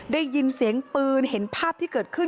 ได้ยินเสียงปืนเห็นภาพที่เกิดขึ้น